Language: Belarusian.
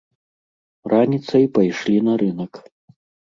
Раніцай пайшлі на рынак.